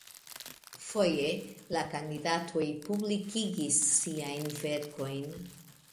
Foje la kandidatoj publikigis siajn verkojn.